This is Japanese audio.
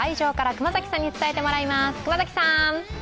熊崎さん！